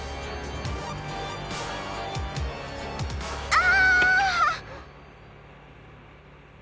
あ！